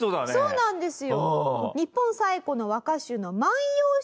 そうなんですよ。